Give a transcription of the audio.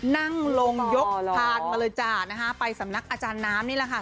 นั่งลงยกพานมาเลยจ้านะคะไปสำนักอาจารย์น้ำนี่แหละค่ะ